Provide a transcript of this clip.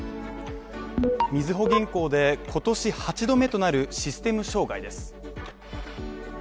みずほ銀行で今年８度目となるシステム障害です。